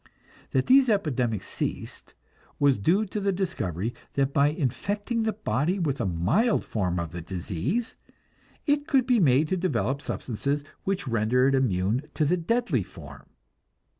That these epidemics ceased was due to the discovery that by infecting the body with a mild form of the disease, it could be made to develop substances which render it immune to the deadly form.